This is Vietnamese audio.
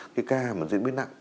cái ca mà diễn biến nặng